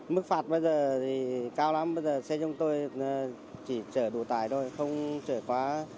mức phạt bây giờ thì cao lắm bây giờ xe chúng tôi chỉ chở đủ tài thôi không chở quá